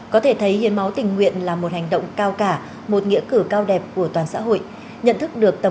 có thể thấy hiến máu tình nguyện là một hành động cao cả một nghĩa cử cao đẹp của toàn xã hội